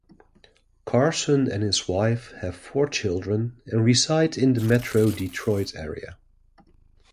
Carson and his wife have four children and reside in the Metro Detroit area.